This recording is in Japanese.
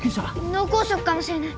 脳梗塞かもしれない